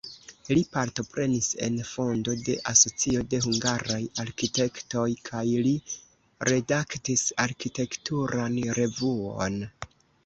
Li partoprenis en fondo de asocio de hungaraj arkitektoj kaj li redaktis arkitekturan revuon.